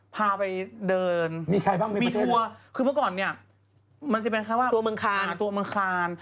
พาไปเดินมีทัวร์คือเมื่อก่อนเนี่ยมันจะเป็นแค่ว่าตัวเมืองคาน